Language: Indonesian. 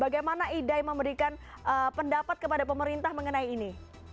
bagaimana idai memberikan pendapat kepada pemerintah mengenai ini